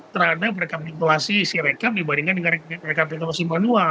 terhadap rekapitulasi sirekap dibandingkan dengan rekapitulasi manual